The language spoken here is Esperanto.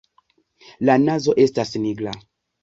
La nazo estas nigra.